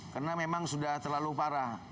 karena memang sudah terlalu parah